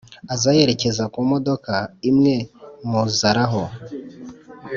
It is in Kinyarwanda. aza yerekeza kumdoka imwe muzaraho,